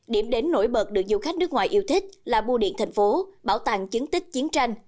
điểm đến nổi bật được du khách nước ngoài yêu thích là bu điện thành phố bảo tàng chứng tích chiến tranh